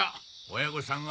親御さんが心配。